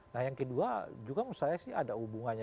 nah yang kedua juga menurut saya sih ada hubungannya